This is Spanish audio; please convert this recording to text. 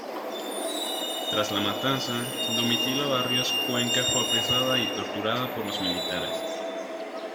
Tras la matanza, Domitila Barrios Cuenca fue apresada y torturada por los militares.